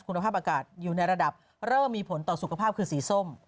คุณภาพอากาศอยู่ในระดับเริ่มมีผลต่อสุขภาพคือสีส้ม